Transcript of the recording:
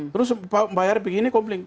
terus bayar begini komplik